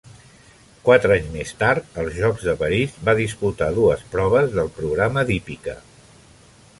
Quatre anys més tard, als Jocs de París, va disputar dues proves del programa d'hípica.